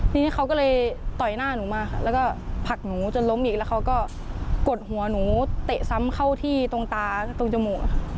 ทีนี้เขาก็เลยต่อยหน้าหนูมาค่ะแล้วก็ผลักหนูจนล้มอีกแล้วเขาก็กดหัวหนูเตะซ้ำเข้าที่ตรงตาตรงจมูก